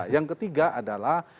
yang ketiga adalah